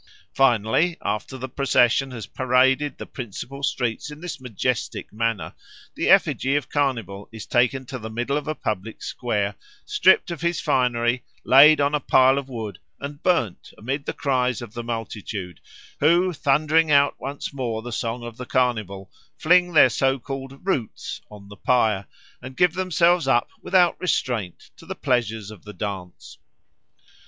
Finally, after the procession has paraded the principal streets in this majestic manner, the effigy of Carnival is taken to the middle of a public square, stripped of his finery, laid on a pile of wood, and burnt amid the cries of the multitude, who thundering out once more the song of the Carnival fling their so called "roots" on the pyre and give themselves up without restraint to the pleasures of the dance.